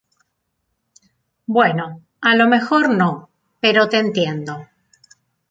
Bueno a lo mejor no, pero te entiendo.